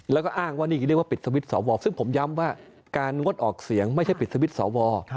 แล้วก็อ้างว่านี่คือเรียกว่าปิดทวิตสวซึ่งผมย้ำว่าการงดออกเสียงไม่ใช่ปิดสวิตช์สว